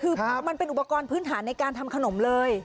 คือมันเป็นอุปกรณ์พื้นฐานในการทำขนมเลย